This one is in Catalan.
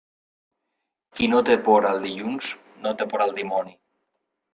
Qui no té por al dilluns, no té por al dimoni.